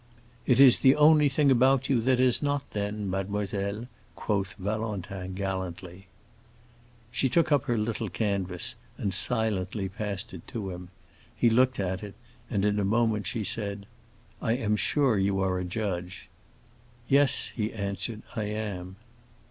"It is the only thing about you that is not, then, mademoiselle," quoth Valentin, gallantly. She took up her little canvas and silently passed it to him. He looked at it, and in a moment she said, "I am sure you are a judge." "Yes," he answered, "I am."